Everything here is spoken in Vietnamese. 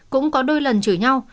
cũng có đôi lần chửi nhau